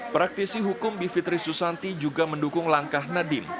praktisi hukum bivitri susanti juga mendukung langkah nadiem